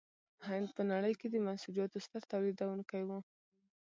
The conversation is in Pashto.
هند په نړۍ کې د منسوجاتو ستر تولیدوونکی و.